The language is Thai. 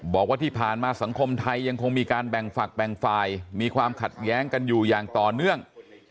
บอกว่าที่ผ่านมาสังคมไทยยังคงมีการแบ่งฝักแบ่งฝ่ายมีความขัดแย้งกันอยู่อย่างต่อเนื่อง